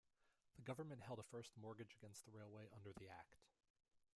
The Government held a first mortgage against the railway under the Act.